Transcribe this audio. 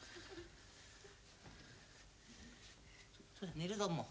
寝るぞもう。